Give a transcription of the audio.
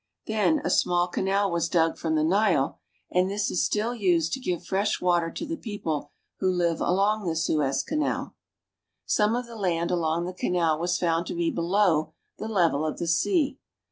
Then a small canal r I A TRIP THHOUUH TUF. SUEZ CANAL was dug from the Nile, and this is still used to give fresh water to the people who live along the Suez Canal. Some of the land along the canal was found to be below the level of the sea.